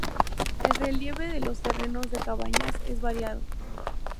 El relieve de los terrenos de Cabañas es variado.